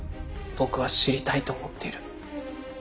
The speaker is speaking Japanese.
僕は知りたいと思っている。